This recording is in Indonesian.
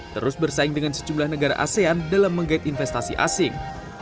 terus bersaing dengan sejumlah negara asean dalam menggait investasi asing